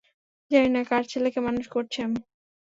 জানি না কার ছেলেকে মানুষ করছি আমি!